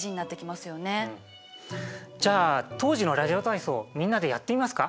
じゃあ当時のラジオ体操をみんなでやってみますか？